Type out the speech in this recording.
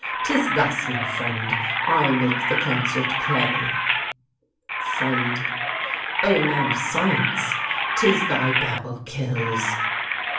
'Tis thus, my friend, I make the concert play. FRIEND. O man of science! 'tis thy babble kills!